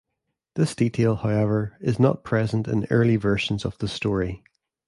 This detail, however, is not present in early versions of the story.